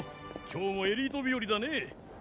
今日もエリート日和だね！